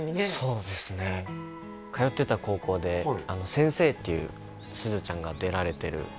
そうですね通ってた高校で「先生！」っていうすずちゃんが出られてる